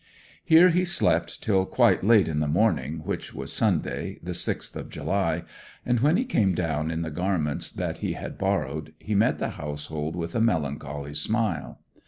Here he slept till quite late in the morning, which was Sunday, the sixth of July, and when he came down in the garments that he had borrowed he met the household with a melancholy smile.